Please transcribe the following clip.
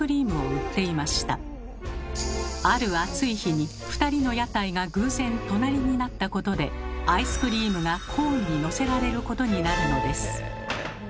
ある暑い日に２人の屋台が偶然隣になったことでアイスクリームがコーンにのせられることになるのです。